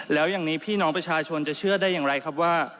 แล้วอย่างนี้พี่น้องประชาชนจะเชื่อได้อย่างไรครับว่า